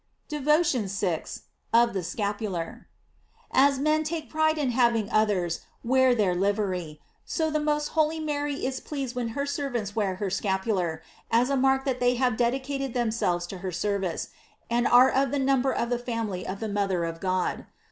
PEVOTIOX VI. — OF THE SCAPULAR. As men take pride in having others wear their livery, so the most holy Mary is pleased when her servants wear her scapular, as a mark that they have dedicated themselves to her service, and are of the number of the family of the mother of God.